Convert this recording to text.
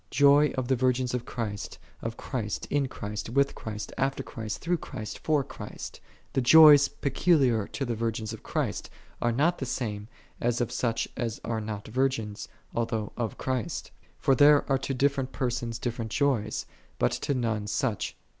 Joy of the virgins of Christ, of Christ, in Christ, with Christ, after Christ, through Christ, for Christ. The joys peculiar to the virgins of Christ, are not the same as of such as are not virgins, al though of Christ. For there are to different persons different joys, but to none such.